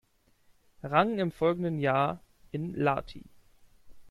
Rang im folgenden Jahr in Lahti.